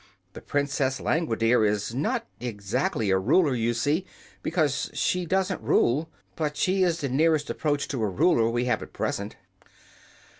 The Princess Langwidere is not exactly a ruler, you see, because she doesn't rule; but she is the nearest approach to a ruler we have at present."